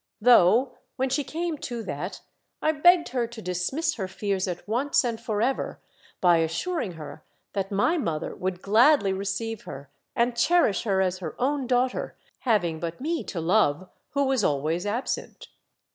Though when she came to that, I begged her to dismiss her fears at once and for ever, by assuring her that my mother would gladly receive her ynd cherish her as her own daughter, having but me to love, who was always absent.